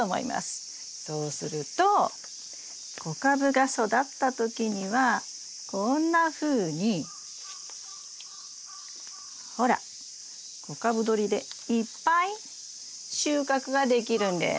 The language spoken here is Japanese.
そうすると小株が育った時にはこんなふうにほら小株どりでいっぱい収穫ができるんです。